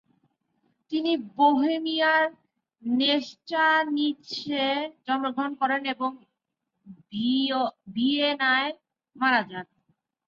তিনি বোহেমিয়ার নেচানিসে জন্মগ্রহণ করেন এবং ভিয়েনায় মারা যান।